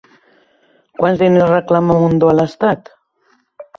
Quants diners reclama Mundó a l'Estat?